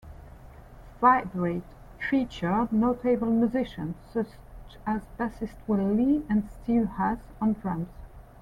"Vibrate" featured notable musicians such as bassist Will Lee and Steve Hass on drums.